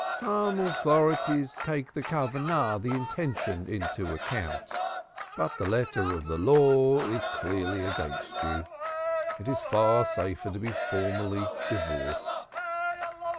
Some authorities do take the intention into account, but the letter of the law is clearly against you. It is far safer to be formally divorced."